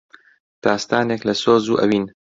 داستانێک لە سۆز و ئەوین